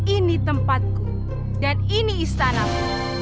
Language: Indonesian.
ini tempatku dan ini istanamu